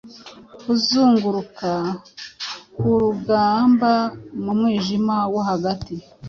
Kuzunguruka ku rugambamu mwijima wo hagati